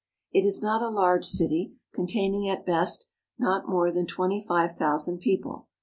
It is not a large city, containing, at best, not more than twenty five thousand people.